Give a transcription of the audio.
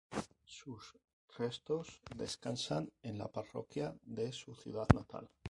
Sus restos descansan en la parroquia de su ciudad natal.